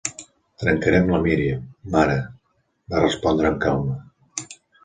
"Trencaré amb la Míriam, mare", va respondre amb calma.